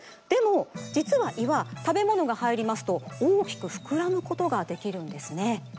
でもじつは胃は食べ物がはいりますとおおきくふくらむことができるんですね。